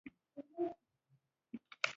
ستا میینې د سره وزیږولم